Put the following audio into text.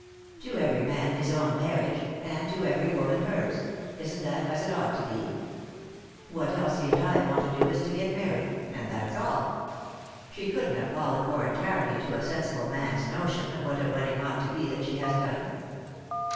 "To every man his own marriage; and to every woman hers — isn't that as it ought to be ? What Elsie and I want to do is to get married ; and that's all. She couldn't have fallen more entirely into a sensible man's notion of what a wedding ought to be than she has done."